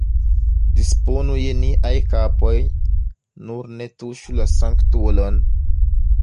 Disponu je niaj kapoj, nur ne tuŝu la sanktulon!